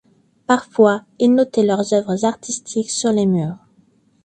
Parfois, Ils notaient leurs œuvres artistiques sur les murs.